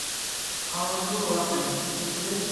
Ауырлы ул, апай, йөклө...